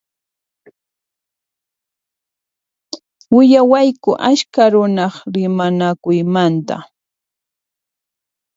Willawayku askha runaq rimanakuymanta.